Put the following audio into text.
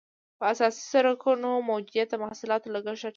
د اساسي سرکونو موجودیت د محصولاتو لګښت را ټیټوي